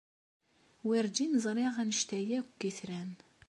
Werǧin ẓriɣ anect-a akk n yitran.